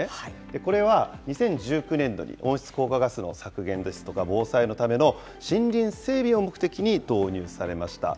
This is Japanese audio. これは、２０１９年度に温室効果ガスの削減ですとか、防災のための森林整備を目的に導入されました。